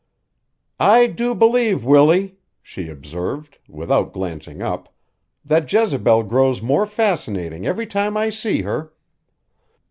"I do believe, Willie," she observed, without glancing up, "that Jezebel grows more fascinating every time I see her."